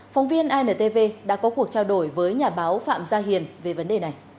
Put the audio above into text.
phóng viên intv đã có cuộc trao đổi với nhà báo phạm gia hiền về vấn đề này